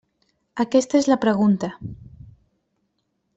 Aquesta és la pregunta.